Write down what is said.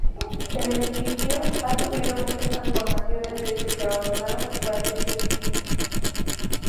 El edificio ha sufrido muchas transformaciones desde que abandonaron los frailes su edificio.